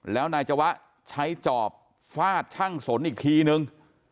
แล้วนายจวะใช้จอบฟาดช่างสนอีกทีนึง